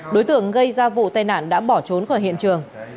đối tượng gây ra vụ tai nạn đã bỏ trốn khỏi hiện trường